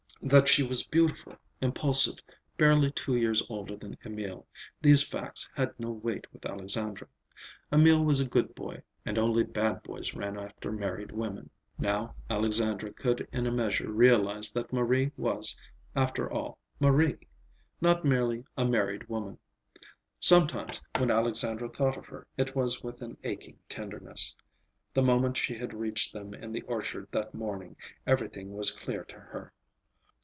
That she was beautiful, impulsive, barely two years older than Emil, these facts had had no weight with Alexandra. Emil was a good boy, and only bad boys ran after married women. Now, Alexandra could in a measure realize that Marie was, after all, Marie; not merely a "married woman." Sometimes, when Alexandra thought of her, it was with an aching tenderness. The moment she had reached them in the orchard that morning, everything was clear to her.